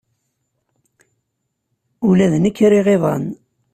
Ula d nekk riɣ iḍan.